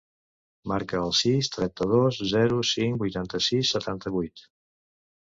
Marca el sis, trenta-dos, zero, cinc, vuitanta-sis, setanta-vuit.